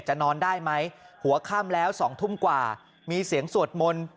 นอนได้ไหมหัวค่ำแล้ว๒ทุ่มกว่ามีเสียงสวดมนต์